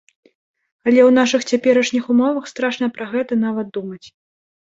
Але ў нашых цяперашніх умовах страшна пра гэта нават думаць.